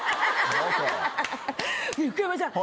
福山さん